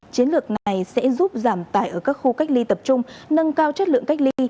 chiến lược này sẽ giúp giảm tải ở các khu cách ly tập trung nâng cao chất lượng cách ly